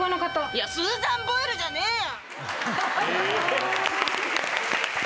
いやスーザン・ボイルじゃねえよ！